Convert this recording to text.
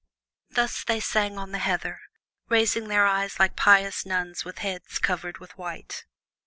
Thus they sang on the heather, raising their eyes like pious nuns with heads covered with white.